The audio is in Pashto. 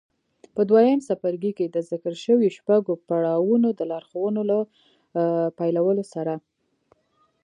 په دويم څپرکي کې د ذکر شويو شپږو پړاوونو د لارښوونو له پيلولو سره.